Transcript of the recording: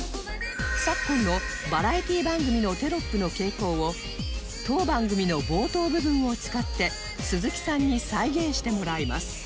昨今のバラエティ番組のテロップの傾向を当番組の冒頭部分を使って鈴木さんに再現してもらいます